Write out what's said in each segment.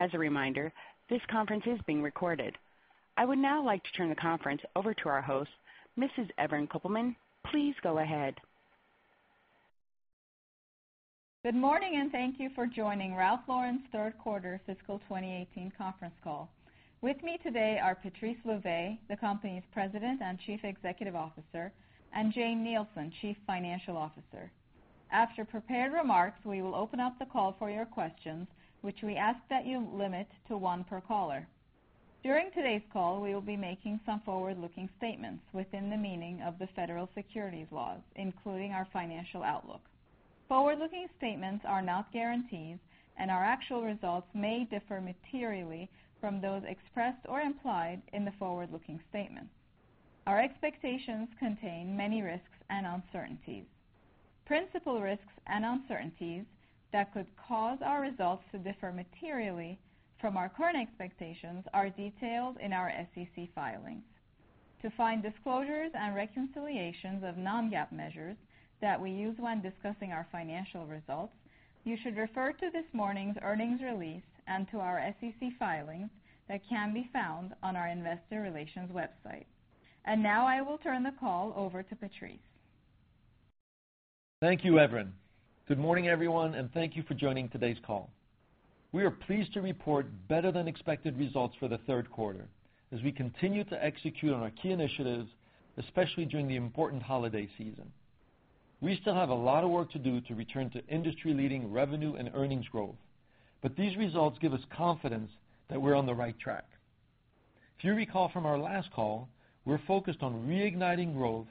As a reminder, this conference is being recorded. I would now like to turn the conference over to our host, Mrs. Evren Kopelman. Please go ahead. Good morning. Thank you for joining Ralph Lauren's third quarter fiscal 2018 conference call. With me today are Patrice Louvet, the company's President and Chief Executive Officer, and Jane Nielsen, Chief Financial Officer. After prepared remarks, we will open up the call for your questions, which we ask that you limit to one per caller. During today's call, we will be making some forward-looking statements within the meaning of the federal securities laws, including our financial outlook. Forward-looking statements are not guarantees, and our actual results may differ materially from those expressed or implied in the forward-looking statement. Our expectations contain many risks and uncertainties. Principal risks and uncertainties that could cause our results to differ materially from our current expectations are detailed in our SEC filings. To find disclosures and reconciliations of non-GAAP measures that we use when discussing our financial results, you should refer to this morning's earnings release and to our SEC filings that can be found on our investor relations website. Now I will turn the call over to Patrice. Thank you, Evren. Good morning, everyone. Thank you for joining today's call. We are pleased to report better than expected results for the third quarter as we continue to execute on our key initiatives, especially during the important holiday season. We still have a lot of work to do to return to industry-leading revenue and earnings growth. These results give us confidence that we're on the right track. If you recall from our last call, we're focused on reigniting growth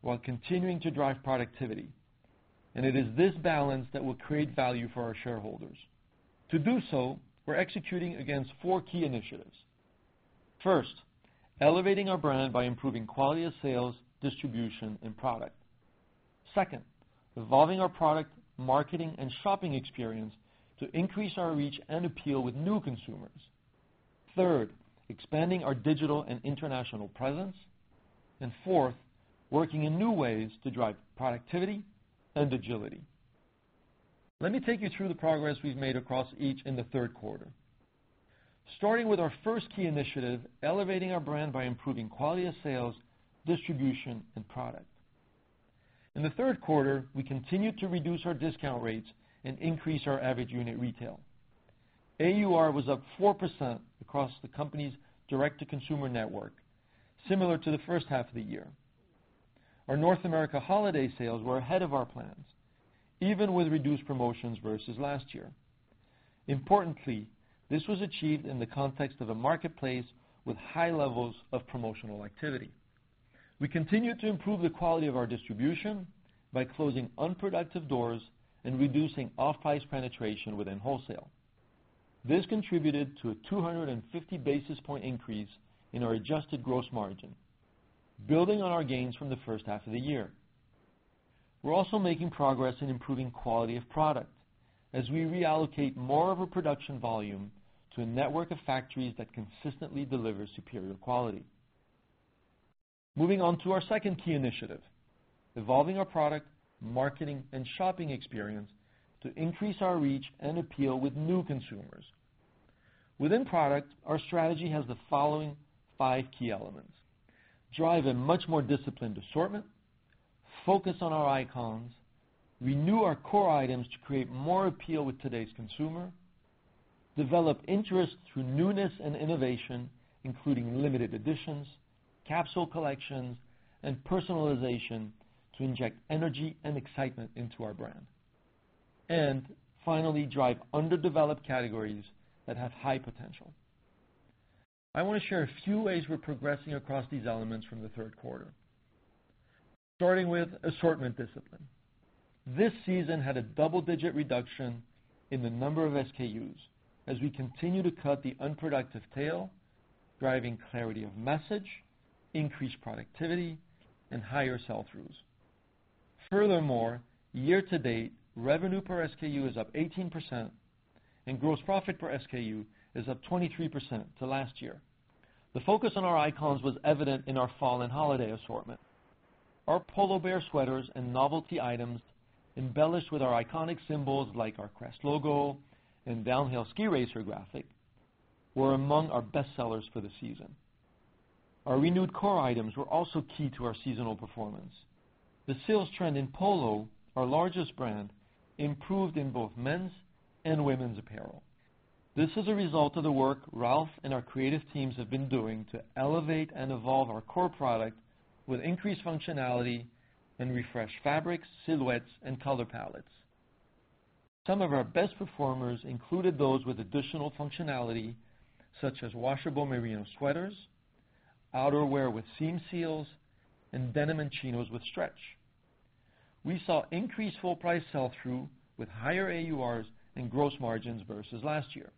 while continuing to drive productivity, and it is this balance that will create value for our shareholders. To do so, we're executing against four key initiatives. First, elevating our brand by improving quality of sales, distribution, and product. Second, evolving our product, marketing, and shopping experience to increase our reach and appeal with new consumers. Third, expanding our digital and international presence. Fourth, working in new ways to drive productivity and agility. Let me take you through the progress we've made across each in the third quarter. Starting with our first key initiative, elevating our brand by improving quality of sales, distribution, and product. In the third quarter, we continued to reduce our discount rates and increase our average unit retail. AUR was up 4% across the company's direct-to-consumer network, similar to the first half of the year. Our North America holiday sales were ahead of our plans, even with reduced promotions versus last year. Importantly, this was achieved in the context of a marketplace with high levels of promotional activity. We continued to improve the quality of our distribution by closing unproductive doors and reducing off-price penetration within wholesale. This contributed to a 250 basis point increase in our adjusted gross margin, building on our gains from the first half of the year. We're also making progress in improving quality of product as we reallocate more of our production volume to a network of factories that consistently deliver superior quality. Moving on to our second key initiative, evolving our product, marketing, and shopping experience to increase our reach and appeal with new consumers. Within product, our strategy has the following five key elements: Drive a much more disciplined assortment. Focus on our icons. Renew our core items to create more appeal with today's consumer. Develop interest through newness and innovation, including limited editions, capsule collections, and personalization to inject energy and excitement into our brand. Finally, drive underdeveloped categories that have high potential. I want to share a few ways we're progressing across these elements from the third quarter. Starting with assortment discipline. This season had a double-digit reduction in the number of SKUs as we continue to cut the unproductive tail, driving clarity of message, increased productivity, and higher sell-throughs. Furthermore, year-to-date, revenue per SKU is up 18%, and gross profit per SKU is up 23% to last year. The focus on our icons was evident in our fall and holiday assortment. Our Polo Bear sweaters and novelty items embellished with our iconic symbols like our crest logo and downhill ski racer graphic were among our bestsellers for the season. Our renewed core items were also key to our seasonal performance. The sales trend in Polo, our largest brand, improved in both men's and women's apparel. This is a result of the work Ralph and our creative teams have been doing to elevate and evolve our core product with increased functionality and refreshed fabrics, silhouettes, and color palettes. Some of our best performers included those with additional functionality, such as washable merino sweaters, outerwear with seam seals, and denim and chinos with stretch. We saw increased full-price sell-through with higher AURs and gross margins versus last year.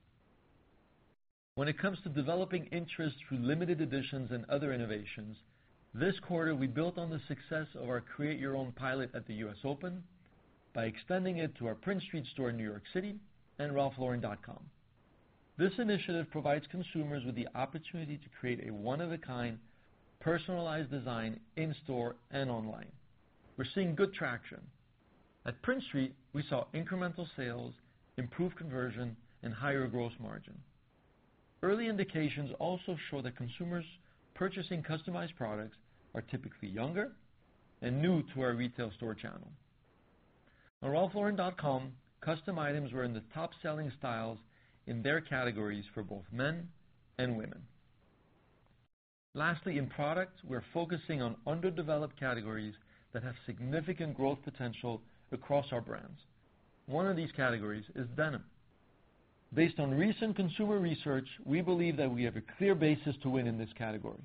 When it comes to developing interest through limited editions and other innovations, this quarter, we built on the success of our Create Your Own pilot at the U.S. Open by extending it to our Prince Street store in New York City and ralphlauren.com. This initiative provides consumers with the opportunity to create a one-of-a-kind personalized design in store and online. We're seeing good traction. At Prince Street, we saw incremental sales, improved conversion, and higher gross margin. Early indications also show that consumers purchasing customized products are typically younger and new to our retail store channel. On ralphlauren.com, custom items were in the top-selling styles in their categories for both men and women. Lastly, in product, we're focusing on underdeveloped categories that have significant growth potential across our brands. One of these categories is denim. Based on recent consumer research, we believe that we have a clear basis to win in this category.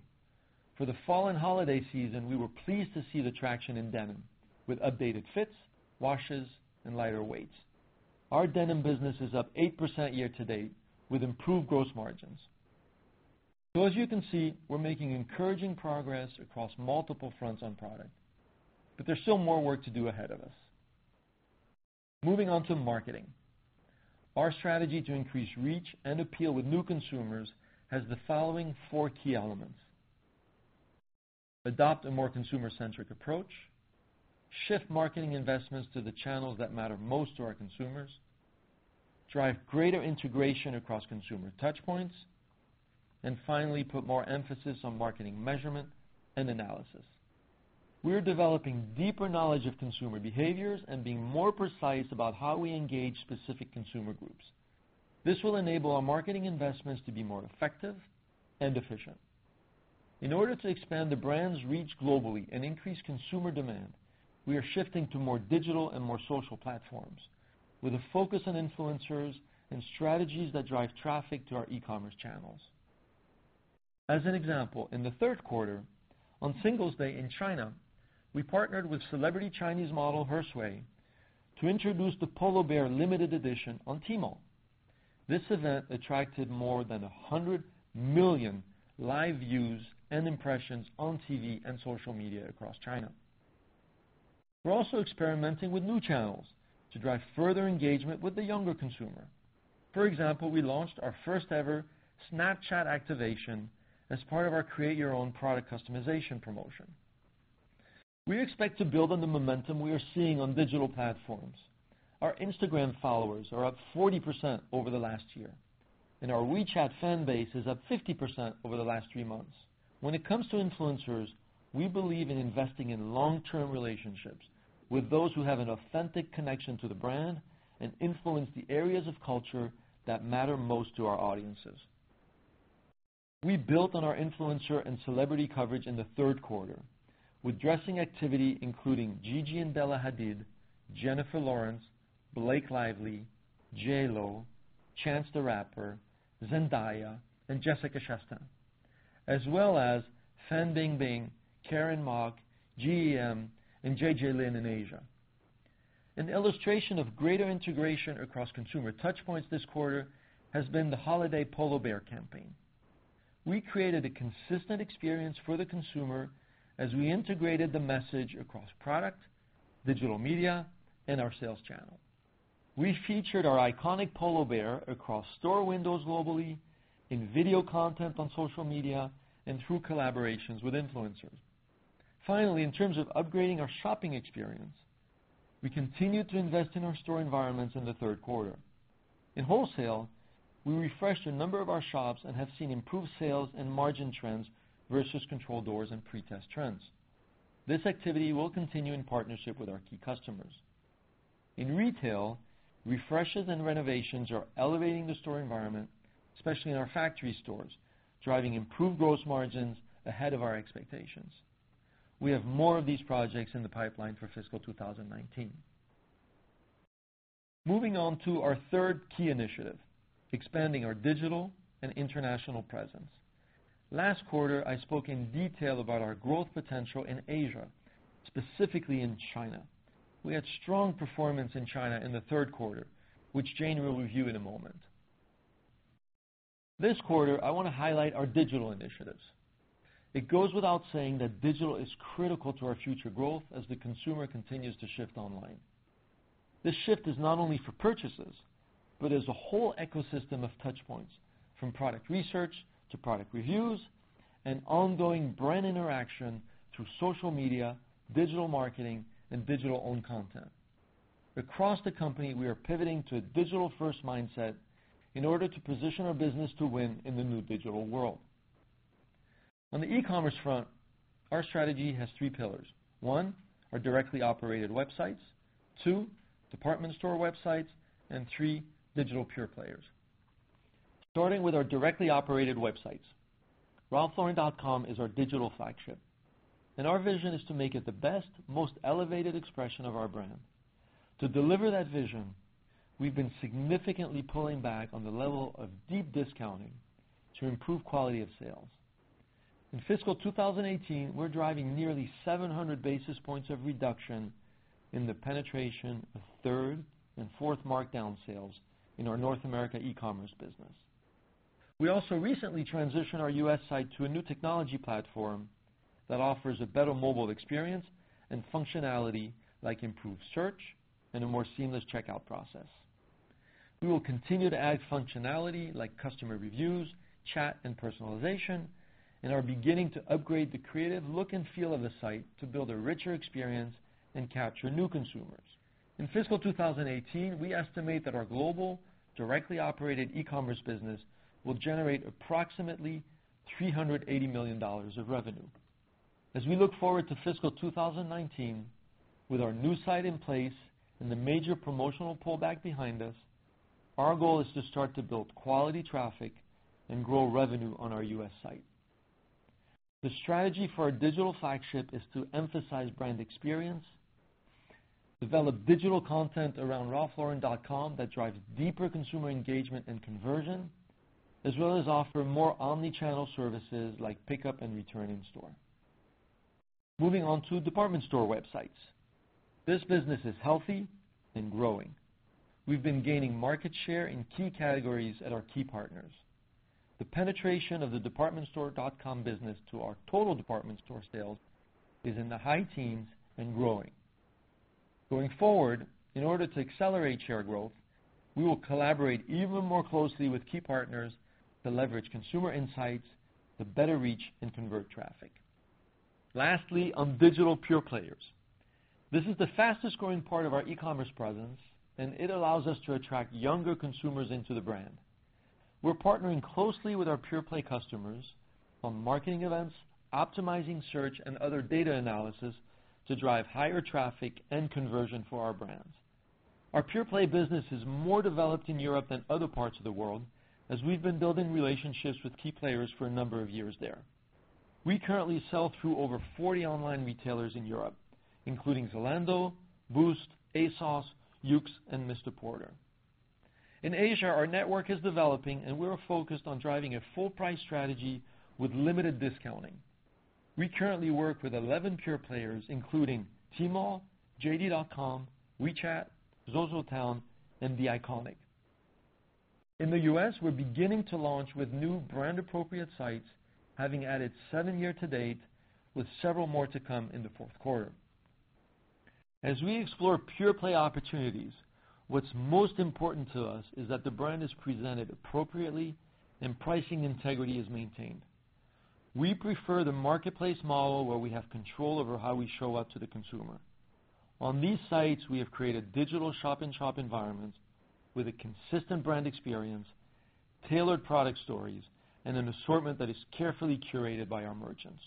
For the fall and holiday season, we were pleased to see the traction in denim, with updated fits, washes, and lighter weights. Our denim business is up 8% year-to-date, with improved gross margins. As you can see, we're making encouraging progress across multiple fronts on product, but there's still more work to do ahead of us. Moving on to marketing. Our strategy to increase reach and appeal with new consumers has the following four key elements. Adopt a more consumer-centric approach. Shift marketing investments to the channels that matter most to our consumers. Drive greater integration across consumer touchpoints. Finally, put more emphasis on marketing measurement and analysis. We are developing deeper knowledge of consumer behaviors and being more precise about how we engage specific consumer groups. This will enable our marketing investments to be more effective and efficient. In order to expand the brand's reach globally and increase consumer demand, we are shifting to more digital and more social platforms, with a focus on influencers and strategies that drive traffic to our e-commerce channels. As an example, in the third quarter, on Singles' Day in China, we partnered with celebrity Chinese model, Sui He, to introduce the Polo Bear limited edition on Tmall. This event attracted more than 100 million live views and impressions on TV and social media across China. We're also experimenting with new channels to drive further engagement with the younger consumer. For example, we launched our first-ever Snapchat activation as part of our Create Your Own product customization promotion. We expect to build on the momentum we are seeing on digital platforms. Our Instagram followers are up 40% over the last year, and our WeChat fan base is up 50% over the last three months. When it comes to influencers, we believe in investing in long-term relationships with those who have an authentic connection to the brand and influence the areas of culture that matter most to our audiences. We built on our influencer and celebrity coverage in the third quarter with dressing activity including Gigi and Bella Hadid, Jennifer Lawrence, Blake Lively, J.Lo, Chance the Rapper, Zendaya, and Jessica Chastain, as well as Fan Bingbing, Karen Mok, G.E.M., and JJ Lin in Asia. An illustration of greater integration across consumer touchpoints this quarter has been the holiday Polo Bear campaign. We created a consistent experience for the consumer as we integrated the message across product, digital media, and our sales channel. We featured our iconic Polo Bear across store windows globally, in video content on social media, and through collaborations with influencers. Finally, in terms of upgrading our shopping experience, we continued to invest in our store environments in the third quarter. In wholesale, we refreshed a number of our shops and have seen improved sales and margin trends versus control doors and pre-test trends. This activity will continue in partnership with our key customers. In retail, refreshes and renovations are elevating the store environment, especially in our factory stores, driving improved gross margins ahead of our expectations. We have more of these projects in the pipeline for FY 2019. Moving on to our third key initiative, expanding our digital and international presence. Last quarter, I spoke in detail about our growth potential in Asia, specifically in China. We had strong performance in China in the third quarter, which Jane will review in a moment. This quarter, I want to highlight our digital initiatives. It goes without saying that digital is critical to our future growth as the consumer continues to shift online. This shift is not only for purchases, but as a whole ecosystem of touchpoints, from product research to product reviews and ongoing brand interaction through social media, digital marketing, and digital owned content. Across the company, we are pivoting to a digital-first mindset in order to position our business to win in the new digital world. On the e-commerce front, our strategy has three pillars. One, our directly operated websites. Two, department store websites. Three, digital pure players. Starting with our directly operated websites. ralphlauren.com is our digital flagship, and our vision is to make it the best, most elevated expression of our brand. To deliver that vision, we've been significantly pulling back on the level of deep discounting to improve quality of sales. In FY 2018, we're driving nearly 700 basis points of reduction in the penetration of third and fourth markdown sales in our North America e-commerce business. We also recently transitioned our U.S. site to a new technology platform that offers a better mobile experience and functionality like improved search and a more seamless checkout process. We will continue to add functionality like customer reviews, chat, and personalization, and are beginning to upgrade the creative look and feel of the site to build a richer experience and capture new consumers. In FY 2018, we estimate that our global directly operated e-commerce business will generate approximately $380 million of revenue. As we look forward to FY 2019, with our new site in place and the major promotional pullback behind us, our goal is to start to build quality traffic and grow revenue on our U.S. site. The strategy for our digital flagship is to emphasize brand experience, develop digital content around ralphlauren.com that drives deeper consumer engagement and conversion, as well as offer more omni-channel services like pickup and return in store. Moving on to department store websites. This business is healthy and growing. We've been gaining market share in key categories at our key partners. The penetration of the departmentstore.com business to our total department store sales is in the high teens and growing. Going forward, in order to accelerate share growth, we will collaborate even more closely with key partners to leverage consumer insights to better reach and convert traffic. Lastly, on digital pure players. This is the fastest-growing part of our e-commerce presence, and it allows us to attract younger consumers into the brand. We're partnering closely with our pure play customers on marketing events, optimizing search, and other data analysis to drive higher traffic and conversion for our brands. Our pure play business is more developed in Europe than other parts of the world, as we've been building relationships with key players for a number of years there. We currently sell through over 40 online retailers in Europe, including Zalando, Boozt, ASOS, YOOX, and MR PORTER. In Asia, our network is developing, and we are focused on driving a full-price strategy with limited discounting. We currently work with 11 pure players, including Tmall, JD.com, WeChat, ZOZOTOWN, and THE ICONIC. In the U.S., we're beginning to launch with new brand-appropriate sites, having added seven year to date, with several more to come in the fourth quarter. We explore pure play opportunities, what's most important to us is that the brand is presented appropriately and pricing integrity is maintained. We prefer the marketplace model where we have control over how we show up to the consumer. On these sites, we have created digital shop-in-shop environments with a consistent brand experience, tailored product stories, and an assortment that is carefully curated by our merchants.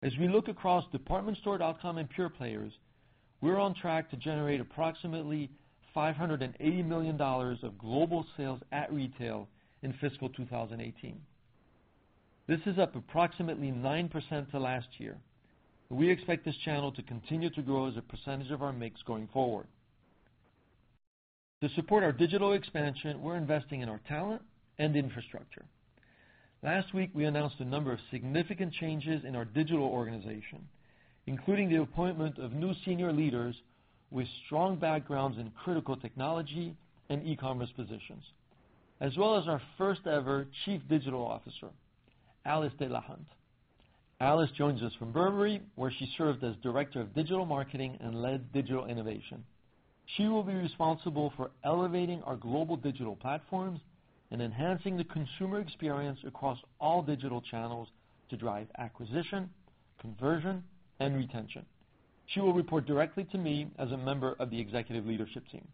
As we look across departmentstore.com and pure players, we're on track to generate approximately $580 million of global sales at retail in fiscal 2018. This is up approximately 9% to last year. We expect this channel to continue to grow as a percentage of our mix going forward. To support our digital expansion, we're investing in our talent and infrastructure. Last week, we announced a number of significant changes in our digital organization, including the appointment of new senior leaders with strong backgrounds in critical technology and e-commerce positions, as well as our first ever Chief Digital Officer, Alice Delahunt. Alice joins us from Burberry, where she served as Director of Digital Marketing and led digital innovation. She will be responsible for elevating our global digital platforms and enhancing the consumer experience across all digital channels to drive acquisition, conversion, and retention. She will report directly to me as a member of the executive leadership team.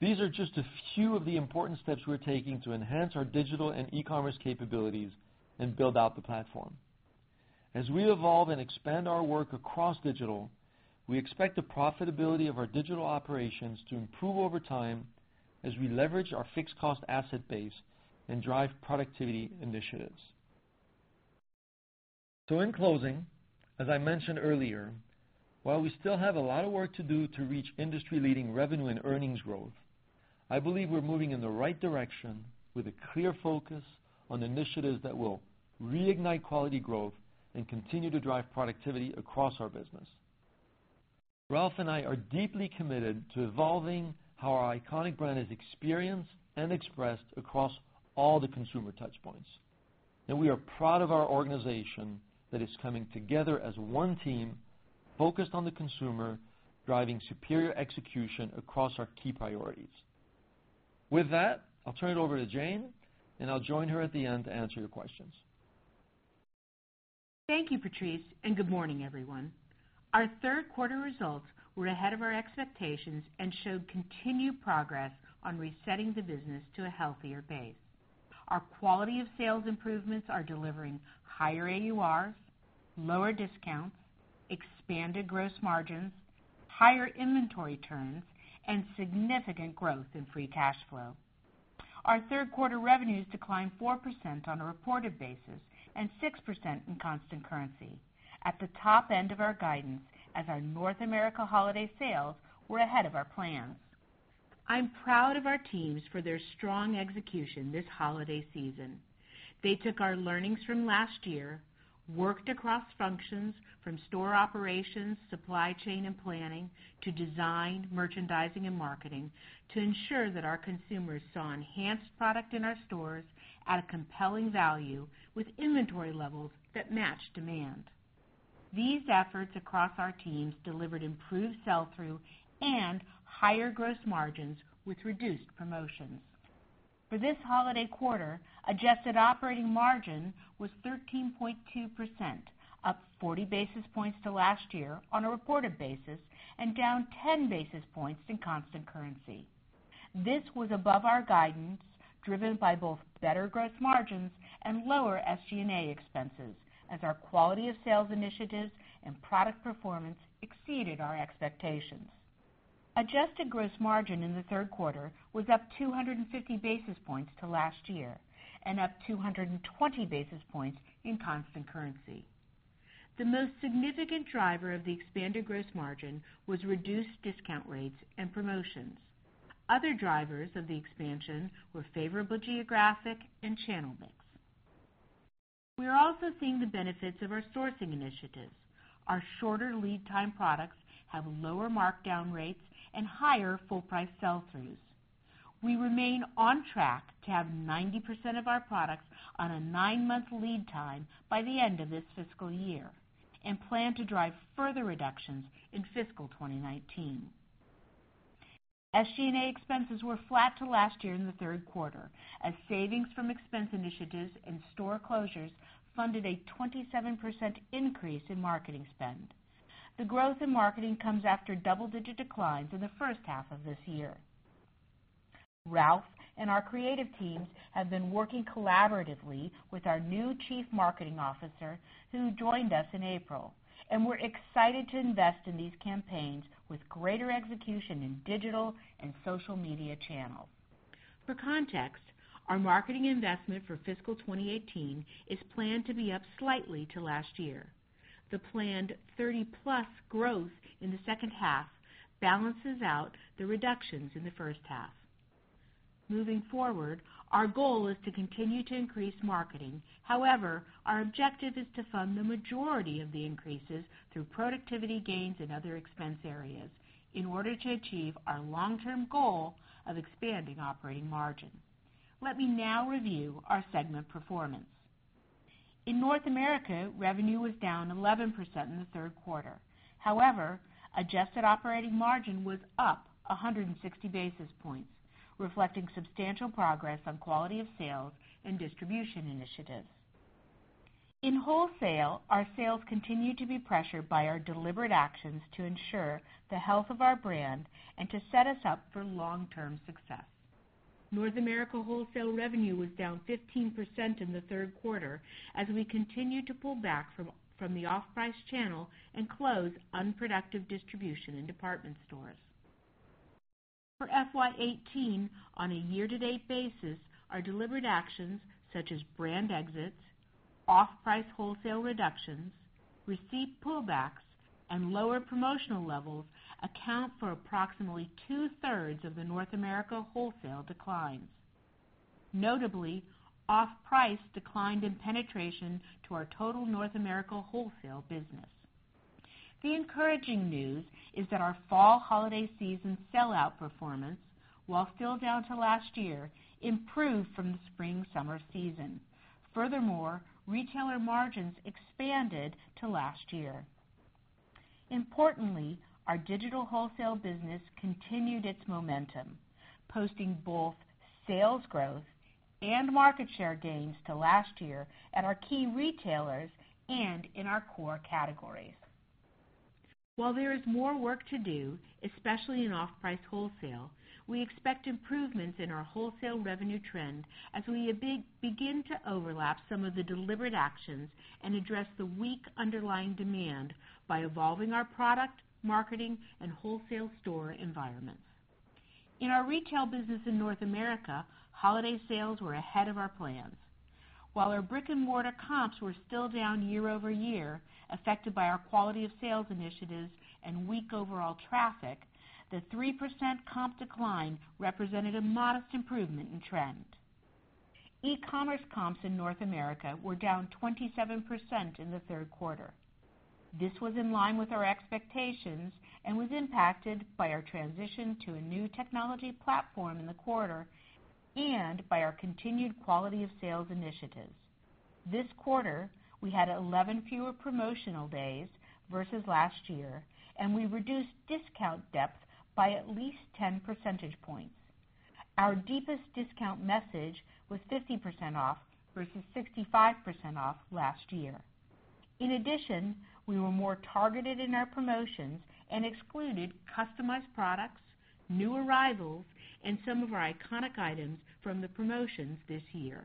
These are just a few of the important steps we're taking to enhance our digital and e-commerce capabilities and build out the platform. We evolve and expand our work across digital, we expect the profitability of our digital operations to improve over time as we leverage our fixed cost asset base and drive productivity initiatives. In closing, as I mentioned earlier, while we still have a lot of work to do to reach industry-leading revenue and earnings growth, I believe we're moving in the right direction with a clear focus on initiatives that will reignite quality growth and continue to drive productivity across our business. Ralph and I are deeply committed to evolving how our iconic brand is experienced and expressed across all the consumer touch points. We are proud of our organization that is coming together as one team focused on the consumer, driving superior execution across our key priorities. With that, I'll turn it over to Jane, and I'll join her at the end to answer your questions. Thank you, Patrice, and good morning, everyone. Our third quarter results were ahead of our expectations and showed continued progress on resetting the business to a healthier base. Our quality of sales improvements are delivering higher AURs, lower discounts, expanded gross margins, higher inventory turns, and significant growth in free cash flow. Our third quarter revenues declined 4% on a reported basis and 6% in constant currency at the top end of our guidance as our North America holiday sales were ahead of our plans. I'm proud of our teams for their strong execution this holiday season. They took our learnings from last year, worked across functions from store operations, supply chain, and planning, to design, merchandising, and marketing to ensure that our consumers saw enhanced product in our stores at a compelling value with inventory levels that match demand. These efforts across our teams delivered improved sell-through and higher gross margins with reduced promotions. For this holiday quarter, adjusted operating margin was 13.2%, up 40 basis points to last year on a reported basis, and down 10 basis points in constant currency. This was above our guidance, driven by both better gross margins and lower SG&A expenses as our quality of sales initiatives and product performance exceeded our expectations. Adjusted gross margin in the third quarter was up 250 basis points to last year and up 220 basis points in constant currency. The most significant driver of the expanded gross margin was reduced discount rates and promotions. Other drivers of the expansion were favorable geographic and channel mix. We are also seeing the benefits of our sourcing initiatives. Our shorter lead time products have lower markdown rates and higher full price sell-throughs. We remain on track to have 90% of our products on a nine-month lead time by the end of this fiscal year and plan to drive further reductions in fiscal 2019. SG&A expenses were flat to last year in the third quarter as savings from expense initiatives and store closures funded a 27% increase in marketing spend. The growth in marketing comes after double-digit declines in the first half of this year. Ralph and our creative teams have been working collaboratively with our new Chief Marketing Officer, who joined us in April, and we're excited to invest in these campaigns with greater execution in digital and social media channels. For context, our marketing investment for fiscal 2018 is planned to be up slightly to last year. The planned 30-plus growth in the second half balances out the reductions in the first half. Moving forward, our goal is to continue to increase marketing. However, our objective is to fund the majority of the increases through productivity gains in other expense areas in order to achieve our long-term goal of expanding operating margin. Let me now review our segment performance. In North America, revenue was down 11% in the third quarter. However, adjusted operating margin was up 160 basis points, reflecting substantial progress on quality of sales and distribution initiatives. In wholesale, our sales continue to be pressured by our deliberate actions to ensure the health of our brand and to set us up for long-term success. North America wholesale revenue was down 15% in the third quarter as we continued to pull back from the off-price channel and close unproductive distribution in department stores. For FY 2018, on a year-to-date basis, our deliberate actions, such as brand exits, off-price wholesale reductions, receipt pullbacks, and lower promotional levels account for approximately two-thirds of the North America wholesale declines. Notably, off-price declined in penetration to our total North America wholesale business. The encouraging news is that our fall holiday season sell-out performance, while still down to last year, improved from the spring-summer season. Furthermore, retailer margins expanded to last year. Importantly, our digital wholesale business continued its momentum, posting both sales growth and market share gains to last year at our key retailers and in our core categories. While there is more work to do, especially in off-price wholesale, we expect improvements in our wholesale revenue trend as we begin to overlap some of the deliberate actions and address the weak underlying demand by evolving our product, marketing, and wholesale store environments. In our retail business in North America, holiday sales were ahead of our plans. While our brick-and-mortar comps were still down year-over-year, affected by our quality of sales initiatives and weak overall traffic, the 3% comp decline represented a modest improvement in trend. E-commerce comps in North America were down 27% in the third quarter. This was in line with our expectations and was impacted by our transition to a new technology platform in the quarter and by our continued quality of sales initiatives. This quarter, we had 11 fewer promotional days versus last year, and we reduced discount depth by at least 10 percentage points. Our deepest discount message was 50% off versus 65% off last year. In addition, we were more targeted in our promotions and excluded customized products, new arrivals, and some of our iconic items from the promotions this year.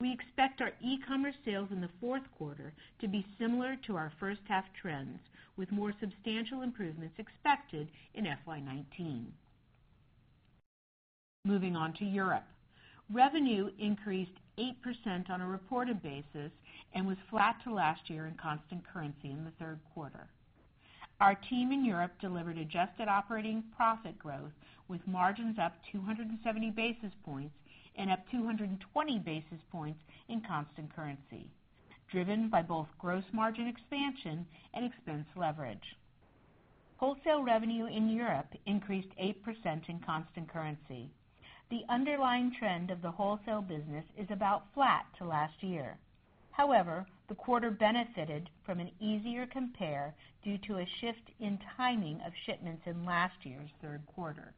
We expect our e-commerce sales in the fourth quarter to be similar to our first half trends, with more substantial improvements expected in FY 2019. Moving on to Europe. Revenue increased 8% on a reported basis and was flat to last year in constant currency in the third quarter. Our team in Europe delivered adjusted operating profit growth with margins up 270 basis points and up 220 basis points in constant currency, driven by both gross margin expansion and expense leverage. Wholesale revenue in Europe increased 8% in constant currency. The underlying trend of the wholesale business is about flat to last year. However, the quarter benefited from an easier compare due to a shift in timing of shipments in last year's third quarter.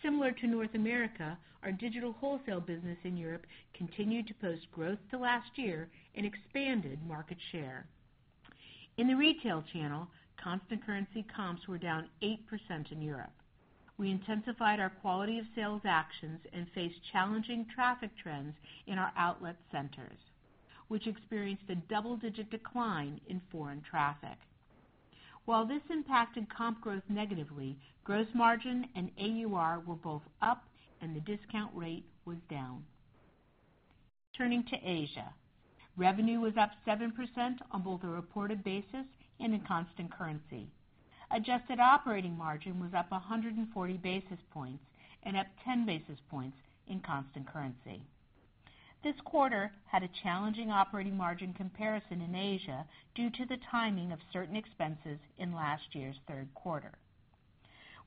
Similar to North America, our digital wholesale business in Europe continued to post growth to last year and expanded market share. In the retail channel, constant currency comps were down 8% in Europe. We intensified our quality of sales actions and faced challenging traffic trends in our outlet centers, which experienced a double-digit decline in foreign traffic. While this impacted comp growth negatively, gross margin and AUR were both up, and the discount rate was down. Turning to Asia. Revenue was up 7% on both a reported basis and in constant currency. Adjusted operating margin was up 140 basis points and up 10 basis points in constant currency. This quarter had a challenging operating margin comparison in Asia due to the timing of certain expenses in last year's third quarter.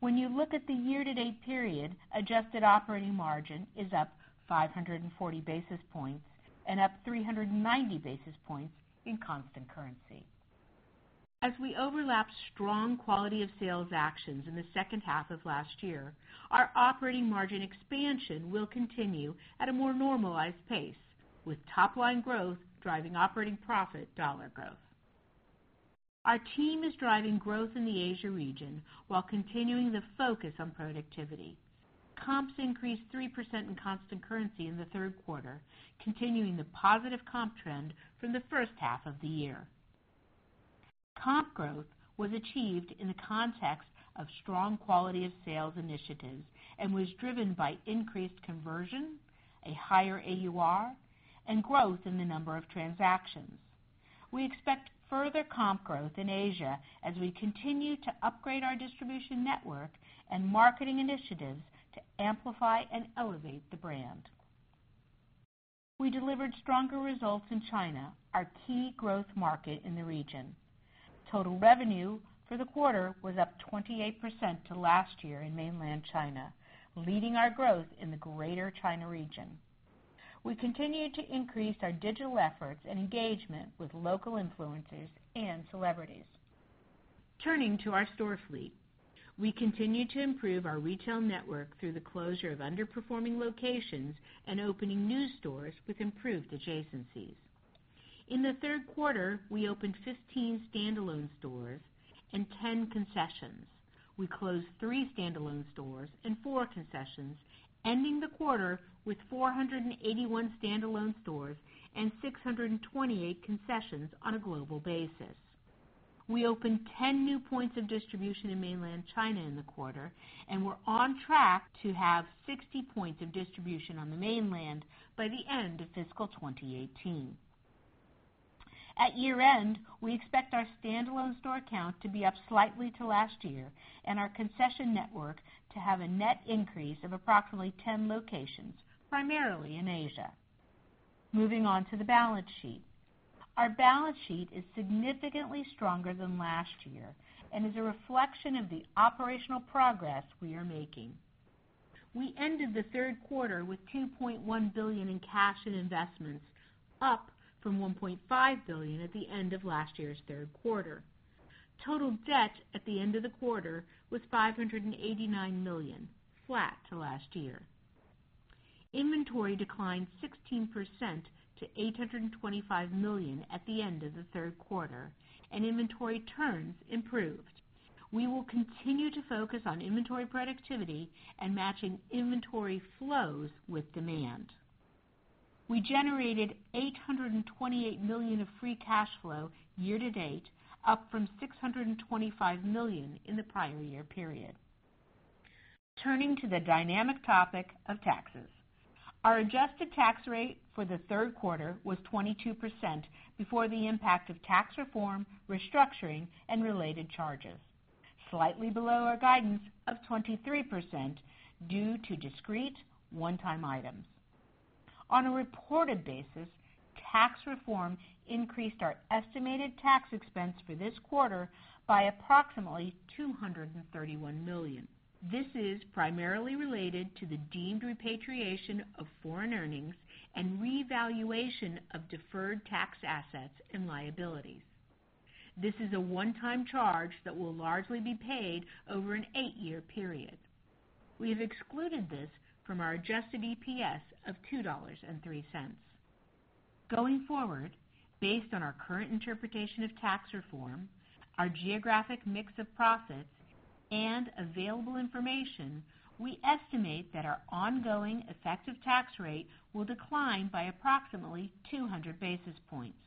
When you look at the year-to-date period, adjusted operating margin is up 540 basis points and up 390 basis points in constant currency. As we overlap strong quality of sales actions in the second half of last year, our operating margin expansion will continue at a more normalized pace, with top-line growth driving operating profit dollar growth. Our team is driving growth in the Asia region while continuing to focus on productivity. Comps increased 3% in constant currency in the third quarter, continuing the positive comp trend from the first half of the year. Comp growth was achieved in the context of strong quality of sales initiatives and was driven by increased conversion, a higher AUR, and growth in the number of transactions. We expect further comp growth in Asia as we continue to upgrade our distribution network and marketing initiatives to amplify and elevate the brand. We delivered stronger results in China, our key growth market in the region. Total revenue for the quarter was up 28% to last year in mainland China, leading our growth in the greater China region. We continue to increase our digital efforts and engagement with local influencers and celebrities. Turning to our store fleet. We continue to improve our retail network through the closure of underperforming locations and opening new stores with improved adjacencies. In the third quarter, we opened 15 standalone stores and 10 concessions. We closed three standalone stores and four concessions, ending the quarter with 481 standalone stores and 628 concessions on a global basis. We opened 10 new points of distribution in mainland China in the quarter, and we're on track to have 60 points of distribution on the mainland by the end of fiscal 2018. At year-end, we expect our standalone store count to be up slightly to last year and our concession network to have a net increase of approximately 10 locations, primarily in Asia. Moving on to the balance sheet. Our balance sheet is significantly stronger than last year and is a reflection of the operational progress we are making. We ended the third quarter with $2.1 billion in cash and investments, up from $1.5 billion at the end of last year's third quarter. Total debt at the end of the quarter was $589 million, flat to last year. Inventory declined 16% to $825 million at the end of the third quarter, and inventory turns improved. We will continue to focus on inventory productivity and matching inventory flows with demand. We generated $828 million of free cash flow year to date, up from $625 million in the prior year period. Turning to the dynamic topic of taxes. Our adjusted tax rate for the third quarter was 22% before the impact of tax reform, restructuring, and related charges, slightly below our guidance of 23% due to discrete one-time items. On a reported basis, tax reform increased our estimated tax expense for this quarter by approximately $231 million. This is primarily related to the deemed repatriation of foreign earnings and revaluation of deferred tax assets and liabilities. This is a one-time charge that will largely be paid over an eight-year period. We have excluded this from our adjusted EPS of $2.03. Going forward, based on our current interpretation of tax reform, our geographic mix of profits, and available information, we estimate that our ongoing effective tax rate will decline by approximately 200 basis points,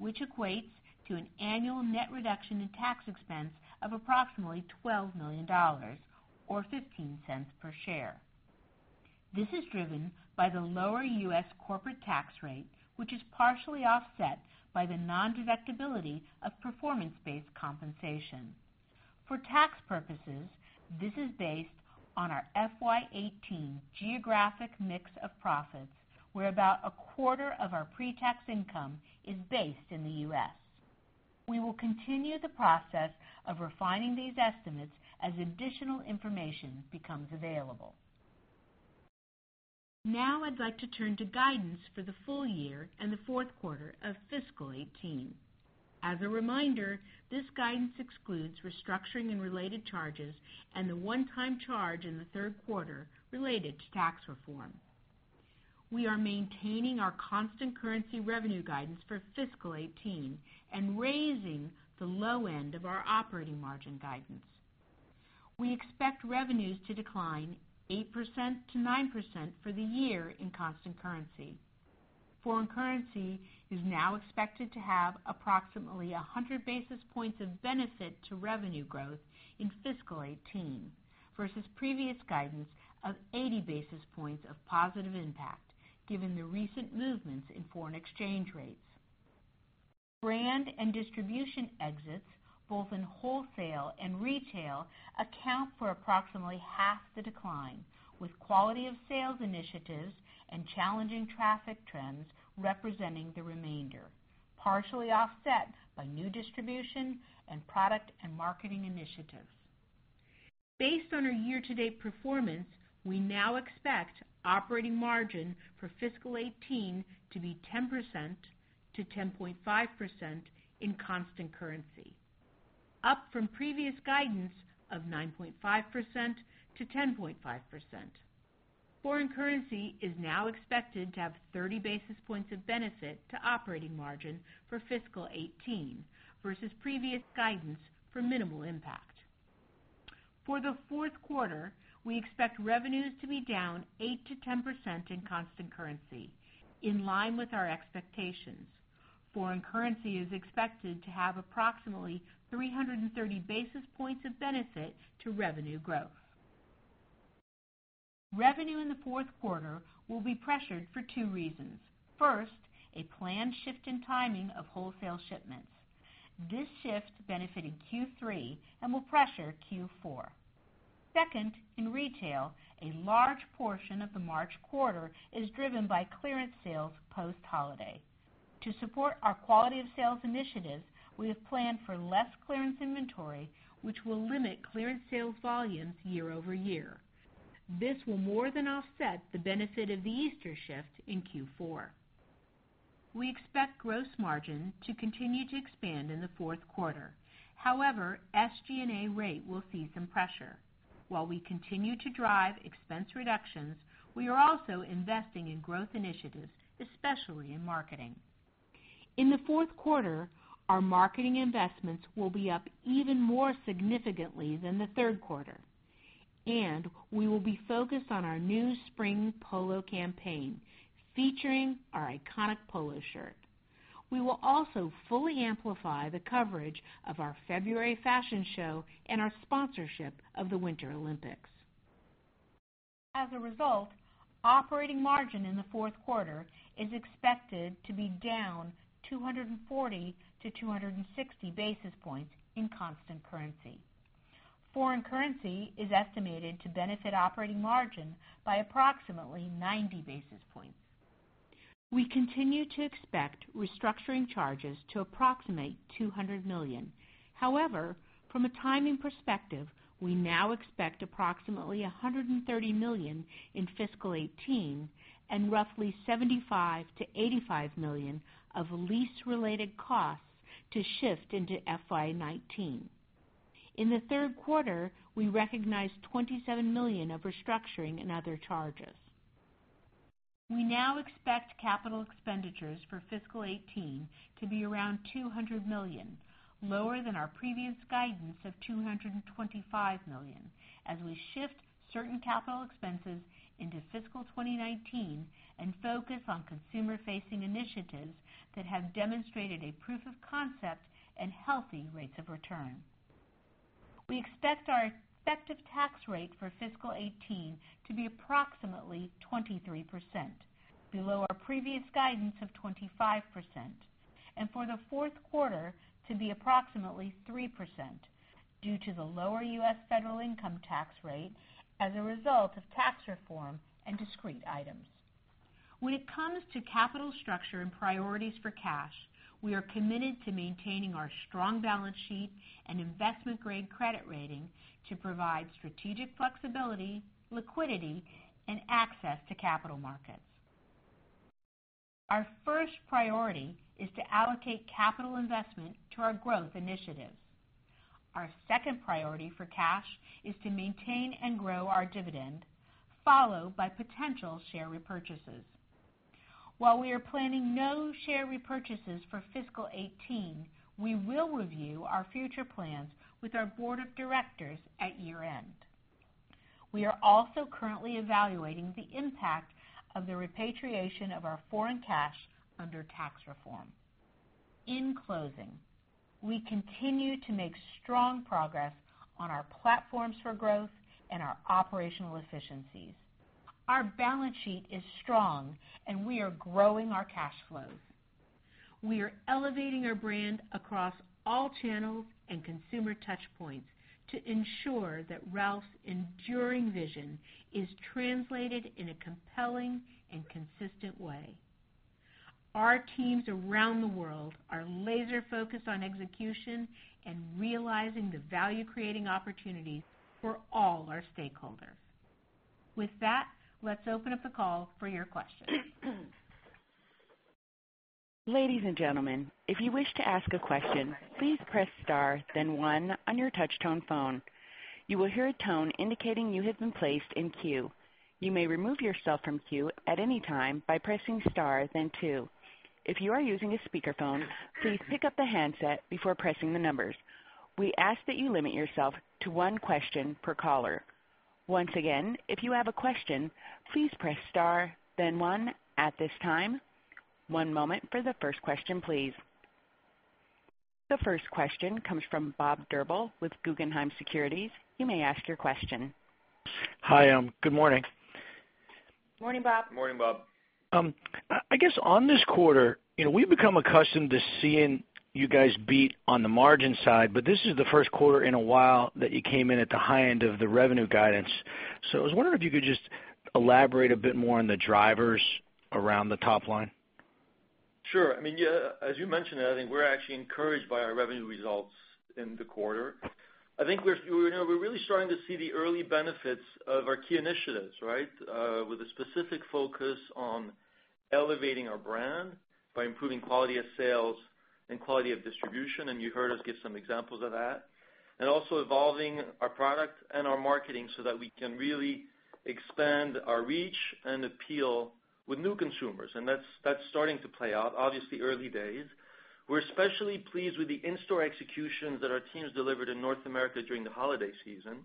which equates to an annual net reduction in tax expense of approximately $12 million or $0.15 per share. This is driven by the lower U.S. corporate tax rate, which is partially offset by the nondeductibility of performance-based compensation. For tax purposes. This is based on our FY 2018 geographic mix of profits, where about a quarter of our pre-tax income is based in the U.S. We will continue the process of refining these estimates as additional information becomes available. I'd like to turn to guidance for the full year and the fourth quarter of fiscal 2018. As a reminder, this guidance excludes restructuring and related charges and the one-time charge in the third quarter related to tax reform. We are maintaining our constant currency revenue guidance for fiscal 2018 and raising the low end of our operating margin guidance. We expect revenues to decline 8%-9% for the year in constant currency. Foreign currency is now expected to have approximately 100 basis points of benefit to revenue growth in fiscal 2018, versus previous guidance of 80 basis points of positive impact, given the recent movements in foreign exchange rates. Brand and distribution exits, both in wholesale and retail, account for approximately half the decline, with quality of sales initiatives and challenging traffic trends representing the remainder, partially offset by new distribution and product and marketing initiatives. Based on our year-to-date performance, we now expect operating margin for fiscal 2018 to be 10%-10.5% in constant currency, up from previous guidance of 9.5%-10.5%. Foreign currency is now expected to have 30 basis points of benefit to operating margin for fiscal 2018, versus previous guidance for minimal impact. For the fourth quarter, we expect revenues to be down 8%-10% in constant currency, in line with our expectations. Foreign currency is expected to have approximately 330 basis points of benefit to revenue growth. Revenue in the fourth quarter will be pressured for two reasons. First, a planned shift in timing of wholesale shipments. This shift benefited Q3 and will pressure Q4. Second, in retail, a large portion of the March quarter is driven by clearance sales post-holiday. To support our quality of sales initiatives, we have planned for less clearance inventory, which will limit clearance sales volumes year-over-year. This will more than offset the benefit of the Easter shift in Q4. We expect gross margin to continue to expand in the fourth quarter. SG&A rate will see some pressure. While we continue to drive expense reductions, we are also investing in growth initiatives, especially in marketing. In the fourth quarter, our marketing investments will be up even more significantly than the third quarter, and we will be focused on our new spring Polo campaign, featuring our iconic Polo shirt. We will also fully amplify the coverage of our February fashion show and our sponsorship of the Winter Olympics. As a result, operating margin in the fourth quarter is expected to be down 240-260 basis points in constant currency. Foreign currency is estimated to benefit operating margin by approximately 90 basis points. We continue to expect restructuring charges to approximate $200 million. From a timing perspective, we now expect approximately $130 million in fiscal 2018 and roughly $75 million-$85 million of lease-related costs to shift into FY 2019. In the third quarter, we recognized $27 million of restructuring and other charges. We now expect capital expenditures for fiscal 2018 to be around $200 million, lower than our previous guidance of $225 million, as we shift certain capital expenses into fiscal 2019 and focus on consumer-facing initiatives that have demonstrated a proof of concept and healthy rates of return. We expect our effective tax rate for fiscal 2018 to be approximately 23%, below our previous guidance of 25%, and for the fourth quarter to be approximately 3%, due to the lower U.S. federal income tax rate as a result of tax reform and discrete items. When it comes to capital structure and priorities for cash, we are committed to maintaining our strong balance sheet and investment-grade credit rating to provide strategic flexibility, liquidity, and access to capital markets. Our first priority is to allocate capital investment to our growth initiatives. Our second priority for cash is to maintain and grow our dividend, followed by potential share repurchases. While we are planning no share repurchases for fiscal 2018, we will review our future plans with our board of directors at year-end. We are also currently evaluating the impact of the repatriation of our foreign cash under tax reform. In closing, we continue to make strong progress on our platforms for growth and our operational efficiencies. Our balance sheet is strong, and we are growing our cash flows. We are elevating our brand across all channels and consumer touchpoints to ensure that Ralph's enduring vision is translated in a compelling and consistent way. Our teams around the world are laser-focused on execution and realizing the value-creating opportunities for all our stakeholders. With that, let's open up the call for your questions. Ladies and gentlemen, if you wish to ask a question, please press star then one on your touch-tone phone. You will hear a tone indicating you have been placed in queue. You may remove yourself from queue at any time by pressing star then two. If you are using a speakerphone, please pick up the handset before pressing the numbers. We ask that you limit yourself to one question per caller. Once again, if you have a question, please press star then one at this time. One moment for the first question, please. The first question comes from Bob Drbul with Guggenheim Securities. You may ask your question. Hi, good morning. Morning, Bob. Morning, Bob. I guess on this quarter, we've become accustomed to seeing you guys beat on the margin side. This is the first quarter in a while that you came in at the high end of the revenue guidance. I was wondering if you could just elaborate a bit more on the drivers around the top line. Sure. As you mentioned, I think we're actually encouraged by our revenue results in the quarter. I think we're really starting to see the early benefits of our key initiatives, with a specific focus on elevating our brand by improving quality of sales and quality of distribution, and you heard us give some examples of that. Also evolving our product and our marketing so that we can really expand our reach and appeal with new consumers, and that's starting to play out. Obviously, early days. We're especially pleased with the in-store executions that our teams delivered in North America during the holiday season.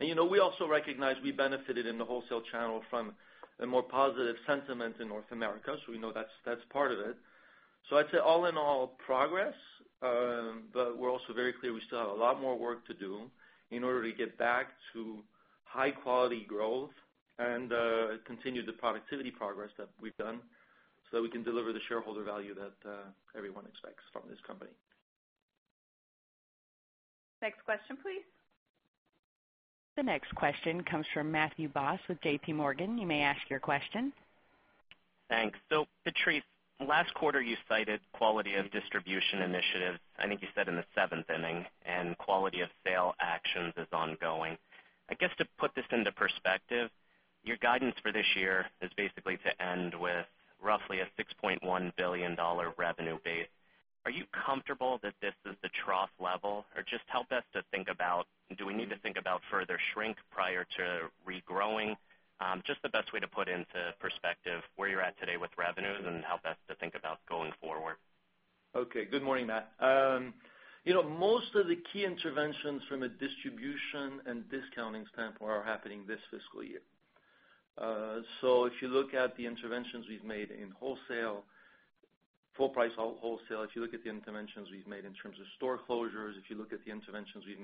We also recognize we benefited in the wholesale channel from a more positive sentiment in North America. We know that's part of it. I'd say all in all, progress. We're also very clear we still have a lot more work to do in order to get back to high-quality growth and continue the productivity progress that we've done so that we can deliver the shareholder value that everyone expects from this company. Next question, please. The next question comes from Matthew Boss with JPMorgan. You may ask your question. Thanks. Patrice, last quarter, you cited quality of distribution initiatives, I think you said in the seventh inning, and quality of sale actions is ongoing. I guess to put this into perspective, your guidance for this year is basically to end with roughly a $6.1 billion revenue base. Are you comfortable that this is the trough level? Just help us to think about, do we need to think about further shrink prior to regrowing? Just the best way to put into perspective where you're at today with revenues and help us to think about going forward. Okay. Good morning, Matt. Most of the key interventions from a distribution and discounting standpoint are happening this fiscal year. If you look at the interventions we've made in wholesale, full-price wholesale, if you look at the interventions we've made in terms of store closures, if you look at the interventions we've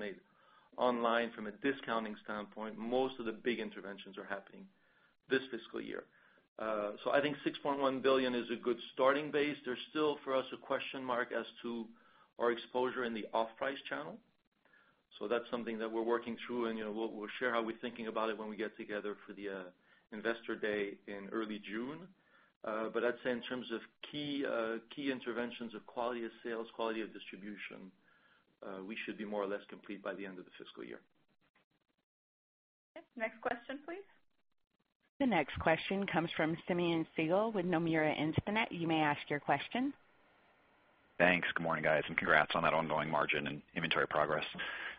made online from a discounting standpoint, most of the big interventions are happening this fiscal year. I think $6.1 billion is a good starting base. There's still, for us, a question mark as to our exposure in the off-price channel. That's something that we're working through, and we'll share how we're thinking about it when we get together for the Investor Day in early June. I'd say in terms of key interventions of quality of sales, quality of distribution, we should be more or less complete by the end of the fiscal year. Okay. Next question, please. The next question comes from Simeon Siegel with Nomura Instinet. You may ask your question. Thanks. Good morning, guys, congrats on that ongoing margin and inventory progress.